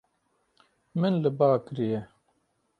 Min li ba kiriye.